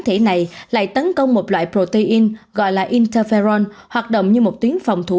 thể này lại tấn công một loại protein gọi là interferon hoạt động như một tuyến phòng thủ